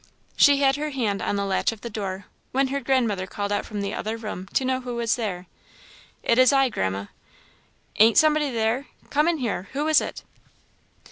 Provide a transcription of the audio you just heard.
She had her hand on the latch of the door, when her grandmother called out from the other room to know who was there. "It's I, grandma." "Ain't somebody there? Come in here who is it?"